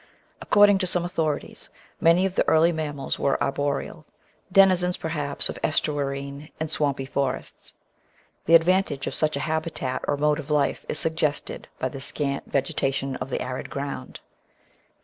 According to some authorities, many of the early mammals were arboreal, denizens, perhaps, of estuarine and swampy forests. The advantage of such a habitat or mode of life is suggested by the scant vegeta tion of the arid ground.